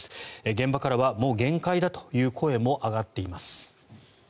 現場からはもう限界だという声も上がっています。